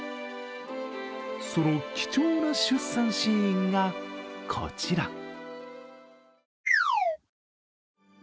その貴重な出産シーンがこちら。